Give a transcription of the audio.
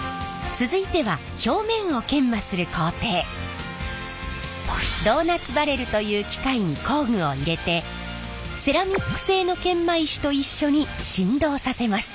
続いてはドーナツバレルという機械に工具を入れてセラミック製の研磨石と一緒に振動させます。